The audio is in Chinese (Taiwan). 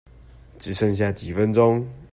只剩下幾分鐘